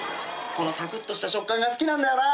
このサクッとした食感が好きなんだよな。